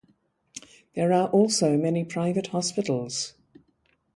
There are also many private hospitals.